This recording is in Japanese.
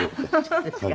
そうですか。